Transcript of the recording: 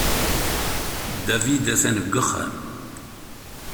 David atan deg uxxam.